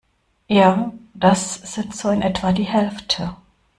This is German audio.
Ja, das sind so in etwa die Hälfte.